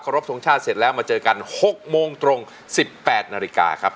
รบทรงชาติเสร็จแล้วมาเจอกัน๖โมงตรง๑๘นาฬิกาครับ